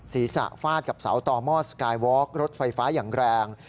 ศีรษะฟาดกับเสาต่อหม้อสกายวอล์กรถไฟฟ้าอย่างแรง